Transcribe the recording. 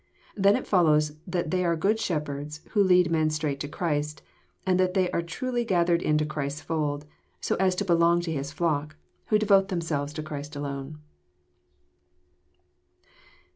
Then it follows that they are good shepherds, who lead men straight to Christ ; and that they are truly gathered into Christ's fold, so as to belong to His flock, who devote themselves to Christ alone."